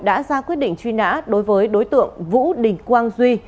đã ra quyết định truy nã đối với đối tượng vũ đình quang duy